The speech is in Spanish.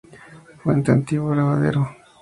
Fuente Antiguo Lavadero.